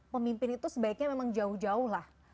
pemimpin itu sebaiknya memang jauh jauh lah